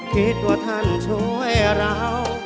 คิดว่าท่านช่วยเรา